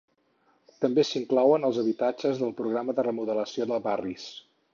També s'inclouen els habitatges del programa de remodelació de barris.